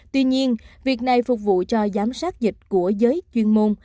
tuy nhiên việc này phục vụ cho giám sát dịch của giới chuyên môn